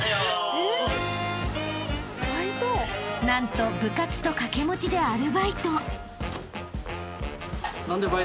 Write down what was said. ［何と部活と掛け持ちでアルバイト］でも。